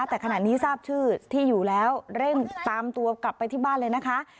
แต่ขณะนี้ทราบชื่อที่อยู่แล้วเร่งตามตัวกลับไปที่บ้านเลยนะคะ